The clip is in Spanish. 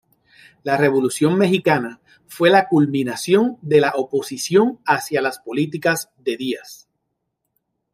La Revolución Mexicana fue la culminación de la oposición hacia las políticas de Díaz.